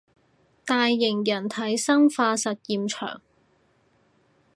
大型人體生化實驗場